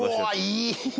いい。